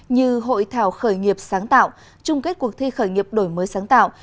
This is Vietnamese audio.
như hội thảo khởi nghiệp sáng tạo chung kết cuộc thi khởi nghiệp đổi mới sáng tạo